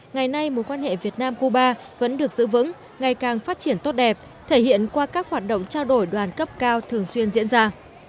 ngày nay mối quan hệ việt nam cuba vẫn được giữ vững ngày càng phát triển tốt đẹp thể hiện qua các hoạt động trao đổi đoàn cấp cao thường xuyên diễn ra